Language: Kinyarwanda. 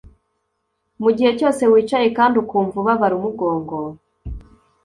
Mu gihe cyose wicaye kandi ukumva ubabara umugongo